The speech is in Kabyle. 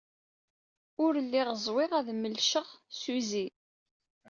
Ul lliɣ ẓwiɣ ad melceɣ Suzie.